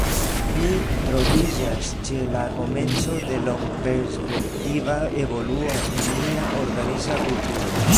Ni troviĝas ĉe la komenco de longperspektiva evoluo en nia organiza kulturo.